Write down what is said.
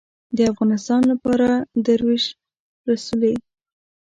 د افغانستان لپاره دروېش رسولې